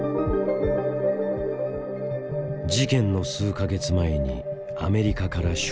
事件の数か月前にアメリカから出国。